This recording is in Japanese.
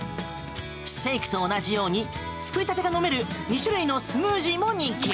シェイクと同じように作りたてが飲める２種類のスムージーも人気！